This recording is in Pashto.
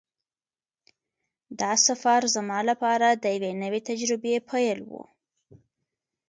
دا سفر زما لپاره د یوې نوې تجربې پیل و.